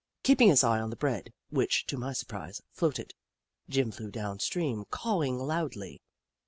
Keeping his eye on the bread, which, to my surprise, floated, Jim flew down stream, cawing loudly.